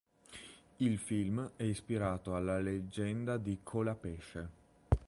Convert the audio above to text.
Il film è ispirato alla leggenda di Colapesce.